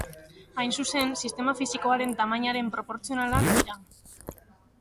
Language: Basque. Hain zuzen, sistema fisikoaren tamainaren proportzionalak dira.